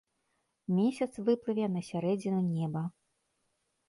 Месяц выплыве на сярэдзіну неба.